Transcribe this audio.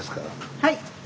はい。